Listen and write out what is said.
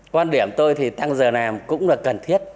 quan điểm tôi thì tăng giờ làm cũng là cần thiết